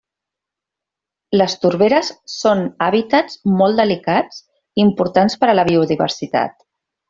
Les torberes són hàbitats molt delicats, i importants per a la biodiversitat.